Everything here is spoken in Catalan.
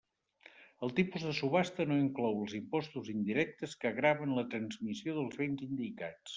El tipus de subhasta no inclou els impostos indirectes que graven la transmissió dels béns indicats.